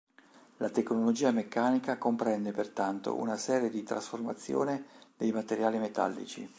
La tecnologia meccanica comprende pertanto, una serie di trasformazione dei materiali metallici.